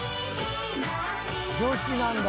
「女子なんだ」